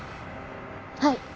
はい。